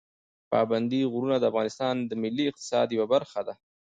پابندي غرونه د افغانستان د ملي اقتصاد یوه برخه ده.